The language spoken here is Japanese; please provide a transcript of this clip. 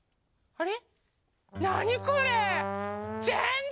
あれ？